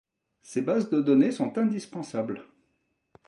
Ces bases de données sont indispensables.